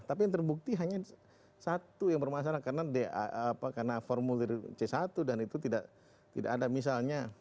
tapi yang terbukti hanya satu yang bermasalah karena formulir c satu dan itu tidak ada misalnya